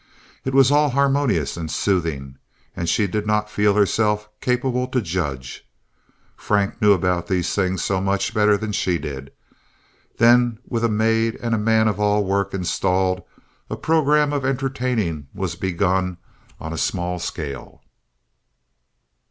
It was all harmonious and soothing, and she did not feel herself capable to judge. Frank knew about these things so much better than she did. Then with a maid and a man of all work installed, a program of entertaining was begun on a small scale.